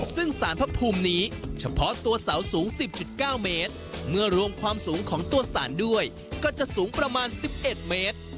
ซึ่งสารพระภูมินี้เฉพาะตัวเสาสูง๑๐๙เมตรเมื่อรวมความสูงของตัวสารด้วยก็จะสูงประมาณ๑๑เมตร